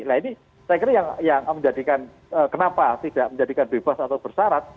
nah ini saya kira yang menjadikan kenapa tidak menjadikan bebas atau bersarat